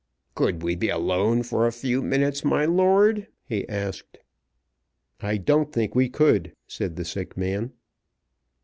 "Could we be alone for a few minutes, my lord?" he asked. "I don't think we could," said the sick man.